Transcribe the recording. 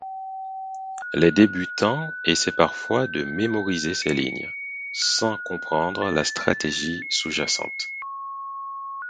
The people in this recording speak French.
Les débutants essaient parfois de mémoriser ces lignes, sans comprendre la stratégie sous-jacente.